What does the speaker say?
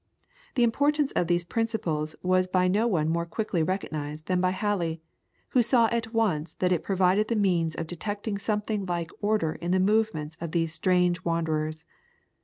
The importance of these principles was by no one more quickly recognised than by Halley, who saw at once that it provided the means of detecting something like order in the movements of these strange wanderers.